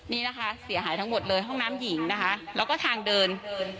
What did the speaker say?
นี่นะคะเสียหายทั้งหมดเลยห้องน้ำหญิงนะคะแล้วก็ทางเดิน